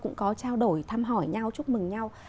cũng có trao đổi thăm hỏi nhau chúc mừng nhau